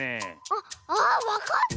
あっああっわかった！